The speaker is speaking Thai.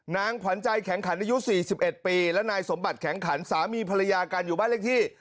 นางขวัญใจแข็งขันอายุ๔๑ปีและนายสมบัติแข็งขันสามีภรรยากันอยู่บ้านเลขที่